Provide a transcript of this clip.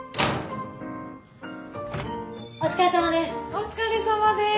お疲れさまです。